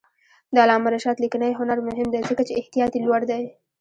د علامه رشاد لیکنی هنر مهم دی ځکه چې احتیاط یې لوړ دی.